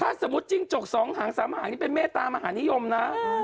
ถ้าสมมุติจิ้งจกสองหางสามหางนี่เป็นเมตตามหานิยมนะ